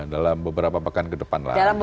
dalam beberapa pekan ke depan lah